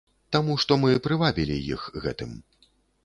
Таму што мы прывабілі іх гэтым.